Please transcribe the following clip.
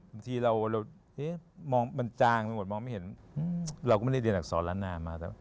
บางทีเรามองมันจางไปหมดมองไม่เห็นเราก็ไม่ได้เรียนอักษรล้านนามา